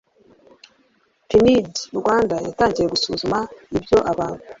pnud rwanda yatangiye gusuzuma ibyo abantu